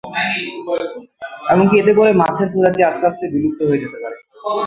এমনকি এতে করে মাছের প্রজাতি আস্তে আস্তে বিলুপ্ত হয়ে যেতে পারে।